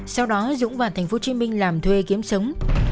sau đó dũng và tp hcm làm thuê kiếm trả lời